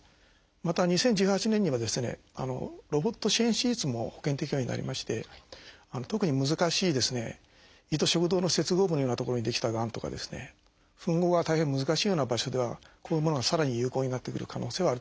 また２０１８年にはロボット支援手術も保険適用になりまして特に難しい胃と食道の接合部のような所に出来たがんとか吻合が大変難しいような場所ではこういうものがさらに有効になってくる可能性はあると思います。